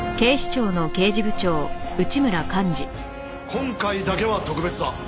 今回だけは特別だ。